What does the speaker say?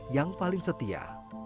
yang paling setia